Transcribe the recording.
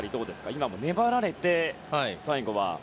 今も粘られて最後は。